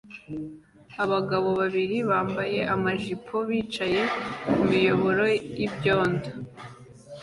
Abagabo babiri bambaye amajipo bicaye ku miyoboro y'ibyondo